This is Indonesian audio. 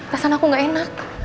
rasanya aku gak enak